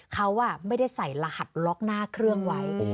เขาไม่ได้ใส่รหัสล็อกหน้าเครื่องไว้